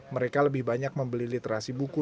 mereka lebih banyak membeli literasi buku